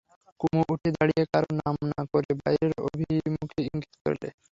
কুমু উঠে দাঁড়িয়ে কারো নাম না করে বাইরের অভিমুখে ইঙ্গিত করলে।